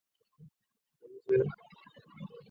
新疆卷叶蛛为卷叶蛛科卷叶蛛属的动物。